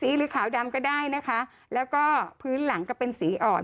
หรือขาวดำก็ได้นะคะแล้วก็พื้นหลังก็เป็นสีอ่อน